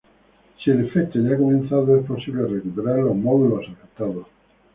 Si el efecto ya ha comenzado, es posible recuperar los módulos afectados.